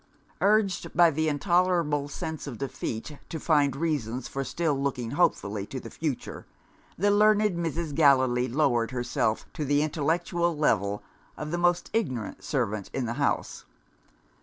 Urged by the intolerable sense of defeat to find reasons for still looking hopefully to the future, the learned Mrs. Gallilee lowered herself to the intellectual level of the most ignorant servant in the house.